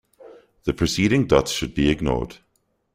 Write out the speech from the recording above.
The preceding dots should be ignored.